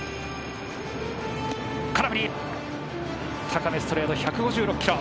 高めストレート１５６キロ。